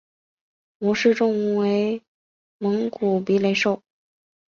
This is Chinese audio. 模式种为蒙古鼻雷兽。